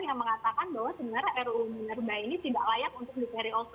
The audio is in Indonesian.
yang mengatakan bahwa sebenarnya ruu minerba ini tidak layak untuk di carry over